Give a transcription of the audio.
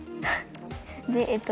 でえっと